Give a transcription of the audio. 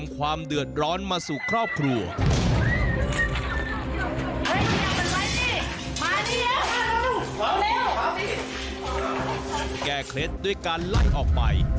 แก้เคล็ดด้วยการไล่ออกไป